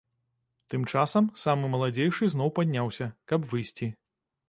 Тым часам самы маладзейшы зноў падняўся, каб выйсці.